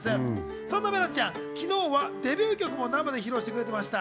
そんなめろんちゃん、昨日はデビュー曲も生で披露してくれました。